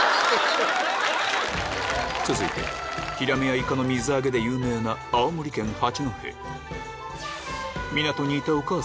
続いてヒラメやイカの水揚げで有名なこれから。